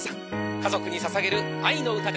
家族にささげる愛の歌です。